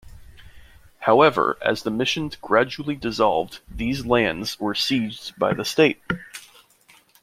However, as the Mission gradually dissolved, these lands were seized by the state.